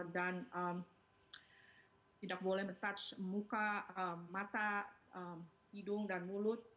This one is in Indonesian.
dan tidak boleh mencari muka mata hidung dan mulut